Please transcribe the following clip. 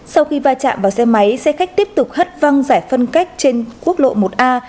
sau khi va chạm vào xe máy xe khách tiếp tục hất văng giải phân cách trên quốc lộ một a